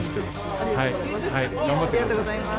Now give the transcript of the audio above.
ありがとうございます。